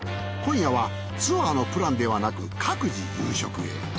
今夜はツアーのプランではなく各自夕食へ。